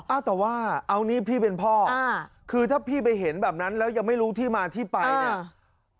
อ่ะแต่ว่าเอางี้พี่เป็นพ่ออ่าคือถ้าพี่ไปเห็นแบบนั้นแล้วยังไม่รู้ที่มาที่ไปเนี่ย